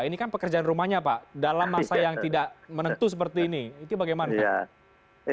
ini kan pekerjaan rumahnya pak dalam masa yang tidak menentu seperti ini itu bagaimana pak